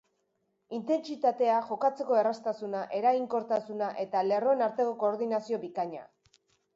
Intentsitatea, jokatzeko erraztasuna, eraginkortasuna eta lerroen arteko koordinazio bikaina.